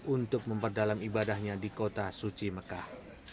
untuk memperdalam ibadahnya di kota suci mekah